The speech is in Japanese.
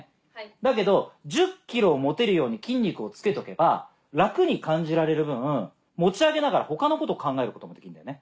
だけど１０ｋｇを持てるように筋肉をつけとけば楽に感じられる分持ち上げながら他のことを考えることもできるんだよね。